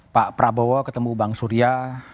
pak prabowo ketemu bang surya